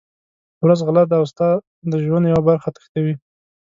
ورځ غله ده او ستا د ژوند یوه برخه تښتوي.